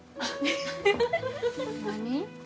何？